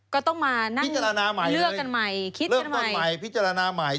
ก็ต้องมานั่งเลือกกันใหม่เลือกกันใหม่พิจารณาใหม่